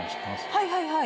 はいはいはい。